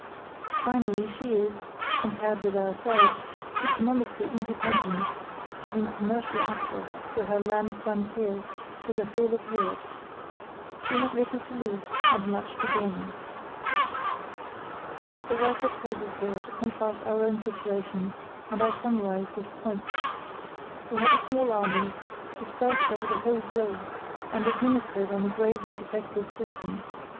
Finally, she is, compared with ourselves, economically independent, having commercial access through her land frontiers to the whole of Europe. She has little to lose and much to gain. The writer pauses here to contrast our own situation, and I summarise his points. We have a small army, dispersed over the whole globe, and administered on a gravely defective system.